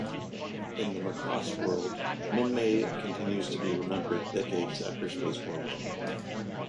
In the "Macross" world, Minmay continues to be remembered decades after Space War One.